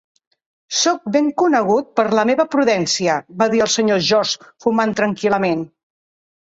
"Soc ben conegut per la meva prudència", va dir el Sr. George, fumant tranquil·lament.